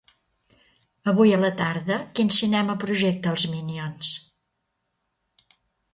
Avui a la tarda quin cinema projecta "Els Mínions"?